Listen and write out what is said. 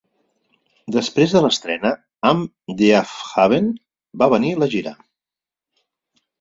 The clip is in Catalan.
Després de l'estrena am Deafhaven, va venir la gira.